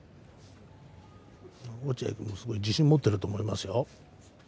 落合君もすごい自信を持っていると思いますよ。